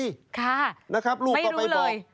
ไม่รู้เลย